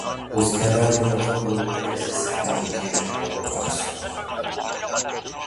استادانو په خپلو تدريسي ساعتونو کې ګټور بحثونه وکړل.